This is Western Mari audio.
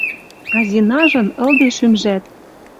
А Зинажын ылде шӱмжӓт.